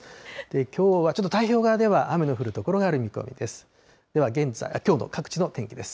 きょうはちょっと太平洋側では雨の降る所がある見込みです。